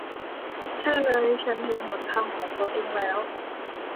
ใช่เลย ฉันเห็นหนทางของตนเองแล้ว